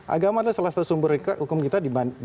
agama adalah salah satu sumber hukum kita